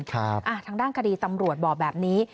ทางด้านคดีตำรวจบอกแบบนี้